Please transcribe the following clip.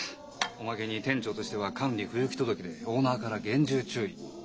おまけに店長としては管理不行き届きでオーナーから厳重注意。